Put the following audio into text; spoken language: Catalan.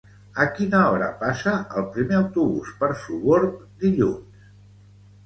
A quina hora passa el primer autobús per Sogorb dilluns?